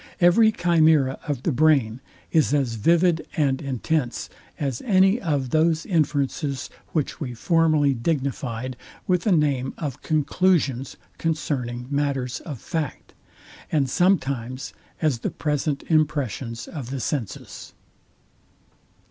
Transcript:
Every chimera of the brain is as vivid and intense as any of those inferences, which we formerly dignifyed with the name of conclusions concerning matters of fact, and sometimes as the present impressions of the senses.